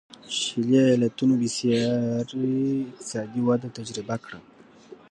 شلي ایالتونو بېسارې اقتصادي وده تجربه کړه.